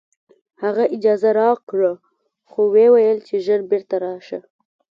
هغه اجازه راکړه خو وویل چې ژر بېرته راشه